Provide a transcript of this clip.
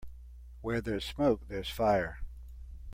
Where there's smoke there's fire.